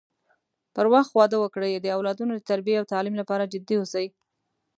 پر وخت واده وکړي د اولادونو د تربی او تعليم لپاره جدي اوسی